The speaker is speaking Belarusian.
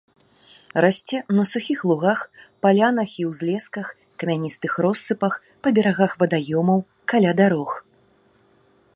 Расце на сухіх лугах, палянах і ўзлесках, камяністых россыпах, па берагах вадаёмаў, каля дарог.